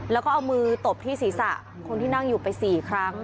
แล้วก็เอามือตบที่ศีรษะคนที่นั่งอยู่ไป๔ครั้ง